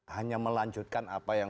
hanya melanjutkan apa yang